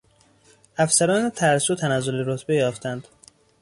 افسران ترسو تنزل رتبه یافتند.